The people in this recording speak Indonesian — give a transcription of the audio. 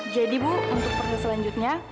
jadi bu untuk perjalan selanjutnya